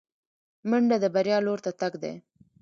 منډه د بریا لور ته تګ دی